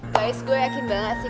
voice gue yakin banget sih